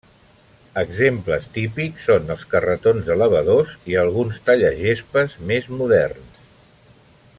Exemples típics són els carretons elevadors i alguns tallagespes és moderns.